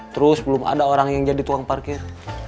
terus belum ada orang yang jadi tukang parkir